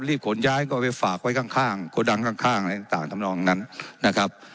รีบขนย้ายก็ไปฝากไว้ข้างข้างกระดังข้างข้างในต่างทำนองนั้นนะครับ